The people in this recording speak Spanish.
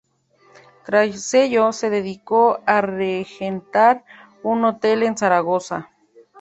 Tras ello se dedicó a regentar un hotel en Zaragoza.